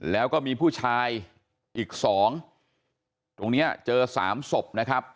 แล้วก็มีผู้ชายอีกสองตรงเนี้ยเจอสามศพนะครับ